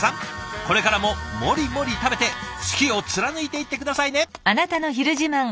これからもモリモリ食べて好きを貫いていって下さいね！